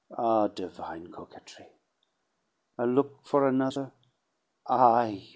Ah, divine coquetry! A look for another, ah i me!